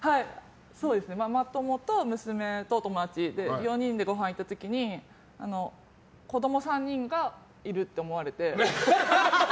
ママ友と娘と友達で４人でごはんに行った時に子供３人がいるって思われて。